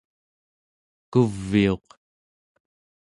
kuviuq